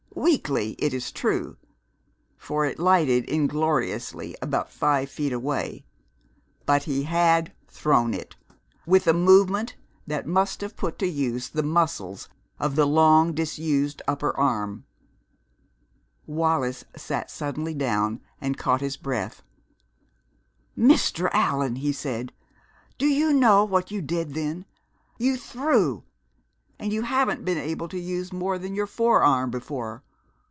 Weakly, it is true, for it lighted ingloriously about five feet away; but he had thrown it, with a movement that must have put to use the muscles of the long disused upper arm. Wallis sat suddenly down and caught his breath. "Mr. Allan!" he said. "Do you know what you did then? You threw, and you haven't been able to use more than your forearm before!